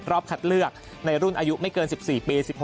คัดเลือกในรุ่นอายุไม่เกิน๑๔ปี๑๖